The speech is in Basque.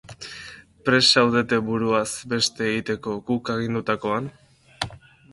Prest zaudete buruaz beste egiteko, guk agindutakoan?